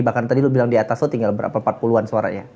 bahkan tadi lo bilang di atas lo tinggal berapa puluhan suaranya